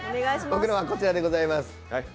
僕のはこちらでございます。